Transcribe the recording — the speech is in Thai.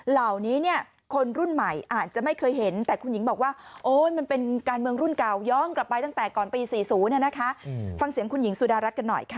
เหล่านี้เนี่ยคนรุ่นใหม่อาจจะไม่เคยเห็นแต่คุณหญิงบอกว่าโอ๊ยมันเป็นการเมืองรุ่นเก่าย้อนกลับไปตั้งแต่ก่อนปี๔๐เนี่ยนะคะฟังเสียงคุณหญิงสุดารัฐกันหน่อยค่ะ